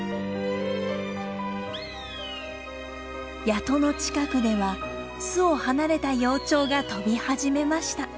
谷戸の近くでは巣を離れた幼鳥が飛び始めました。